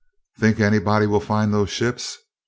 "Think anybody will find those ships?